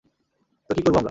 তো কী করবো আমরা?